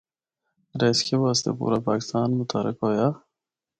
ریسکیو واسطے پورا پاکستان متحرک ہویا۔